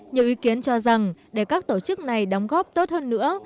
nhiều ý kiến cho rằng để các tổ chức này đóng góp tốt hơn nữa